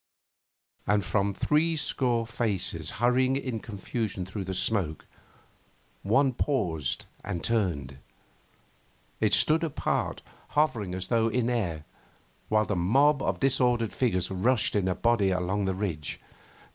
And from threescore faces hurrying in confusion through the smoke, one paused and turned. It stood apart, hovering as though in air, while the mob of disordered figures rushed in a body along the ridge.